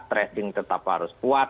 tracing tetap harus kuat